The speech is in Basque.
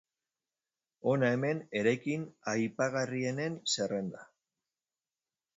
Hona hemen eraikin aipagarrienen zerrenda.